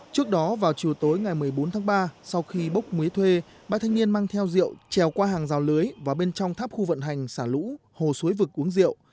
trước đó vào chiều tối ngày một mươi bốn tháng ba sau khi bốc mía thuê ba thanh niên mang theo rượu trèo qua hàng rào lưới và bên trong tháp khu vận hành xả lũ hồ suối vực uống rượu